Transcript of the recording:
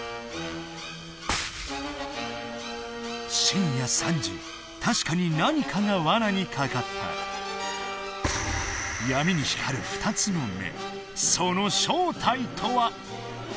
深夜３時確かに何かが罠にかかった闇に光る２つの目その正体とは？